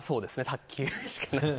卓球しかない。